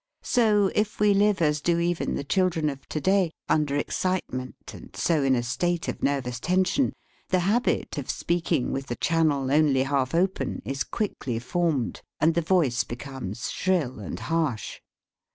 So, if we live as do even the children of to day, under excite ment, and so in a state of nervous tension, the habit of speaking with the channel only half open is quickly formed, and the voice becomes shrill and harsh.